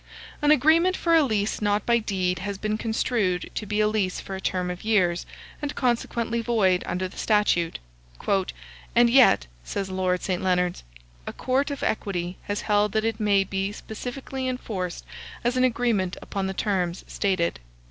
An agreement for a lease not by deed has been construed to be a lease for a term of years, and consequently void under the statute; "and yet," says Lord St. Leonards, "a court of equity has held that it may be specifically enforced as an agreement upon the terms stated."